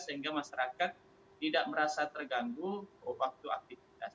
sehingga masyarakat tidak merasa terganggu waktu aktivitas